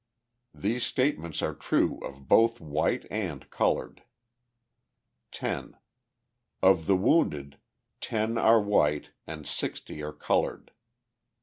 These statements are true of both white and coloured. 10. Of the wounded, ten are white and sixty are coloured.